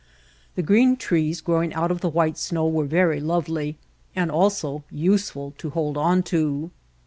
The green trees growing out of the white snow were very lovely, and also useful to hold on to.